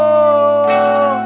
gara gara temen lu